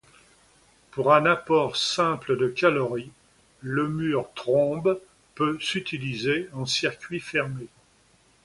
Pour un apport simple de calories le mur Trombe peut s'utiliser en circuit fermé.